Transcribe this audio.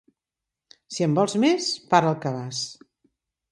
Si en vols més, para el cabàs.